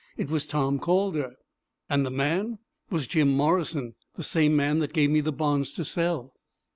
"It was Tom Calder." "And the man?" "Was Jim Morrison, the same man that gave me the bonds to sell."